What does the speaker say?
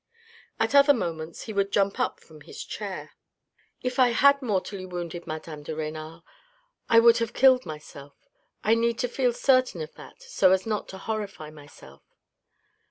At other moments he would jump up from his chair. " If I had mortally wounded madame de Renal, I would have killed myself. .. I need to feel certain of that so as not to horrify myself."